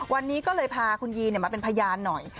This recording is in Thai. วันนี้ก็เลยพาคุณยีนมาเป็นพยานหน่อย